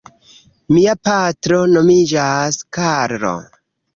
Mia patro nomiĝas Karlo.